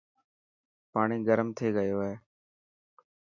پاڻي گرم ٿي گيو هي.